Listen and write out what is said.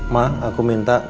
ma aku minta